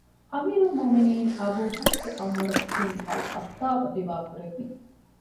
އަމީރުލް މުއުމިނީން އަބޫ ޙަފްޞު ޢުމަރު ބިން އަލްޚައްޠާބު ރިވާ ކުރެއްވި